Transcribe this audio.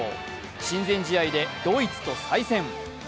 親善試合でドイツと再戦。